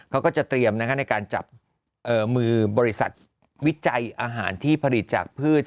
เขาก็จะเตรียมในการจับมือบริษัทวิจัยอาหารที่ผลิตจากพืช